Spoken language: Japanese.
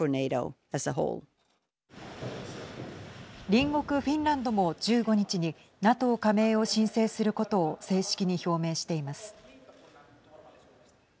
隣国フィンランドも１５日にＮＡＴＯ加盟を申請することを正式に表明しています。